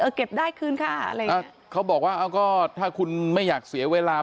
เก็บได้คืนค่ะอะไรอย่างเงี้เขาบอกว่าเอาก็ถ้าคุณไม่อยากเสียเวลา